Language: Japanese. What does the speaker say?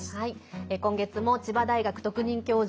今月も千葉大学特任教授